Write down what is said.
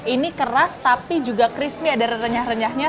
ini keras tapi juga krispih dan renyah renyahnya